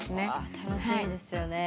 楽しみですよね。